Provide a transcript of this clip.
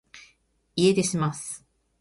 家出します